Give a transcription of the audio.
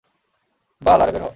বাল, আরে বের হ।